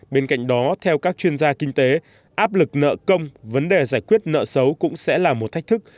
bên cạnh đó theo các chuyên gia kinh tế áp lực nợ công vấn đề giải quyết nợ xấu cũng sẽ là một thách thức